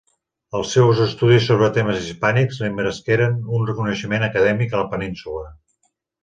Els seus estudis sobre temes hispànics li meresqueren un reconeixement acadèmic a la península.